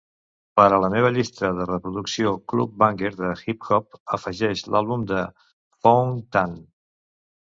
Per a la meva llista de reproducció club-banger de hip hop, afegeix l'àlbum de Phuong Thanh